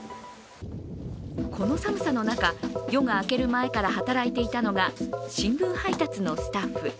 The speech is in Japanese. この寒さの中、夜が明ける前から働いていたのが新聞配達のスタッフ。